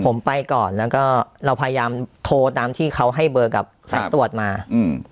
ผมไปก่อนแล้วก็เราพยายามโทรตามที่เขาให้เบอร์กับสายตรวจมาอืม